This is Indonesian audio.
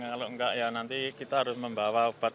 kalau enggak ya nanti kita harus membawa obat